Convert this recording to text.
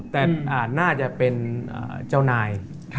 แต่น่าจะเป็นเจ้านาย